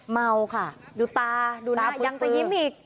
เมาค่ะดูตาดูนะยังจะยิ้มอีก